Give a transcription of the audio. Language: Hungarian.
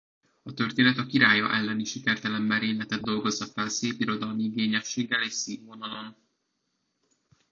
A történet a királya elleni sikertelen merényletet dolgozza fel szépirodalmi igényességgel és színvonalon.